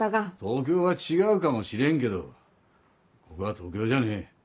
東京は違うかもしれんけどここは東京じゃねえ。